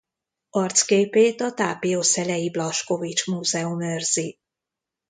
Arcképét a tápiószelei Blaskovich Múzeum őrzi.